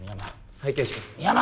拝見します